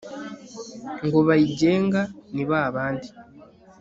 Ngo bayigenga ni ba bandi